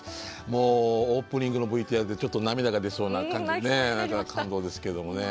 もうオープニングのＶＴＲでちょっと涙が出そうな感じに感動ですけどもね。